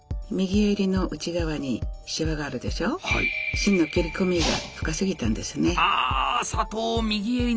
芯の切り込みが深すぎたんですね。